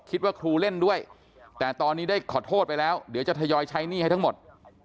คิดว่าครูเล่นด้วยแต่ตอนนี้ได้ขอโทษไปแล้วเดี๋ยวจะทยอยใช้หนี้ให้ทั้งหมด